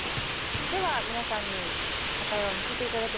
では皆さんに答えを見せていただきましょう。